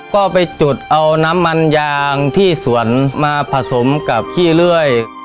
ก็ไปจุดเอาน้ำมันยางที่สวนมาผสมกับขี้เลื่อย